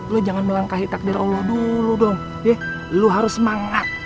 lo jangan melangkahi takdir allah dulu dong deh lu harus semangat